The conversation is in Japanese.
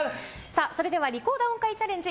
それではリコーダー音階チャレンジ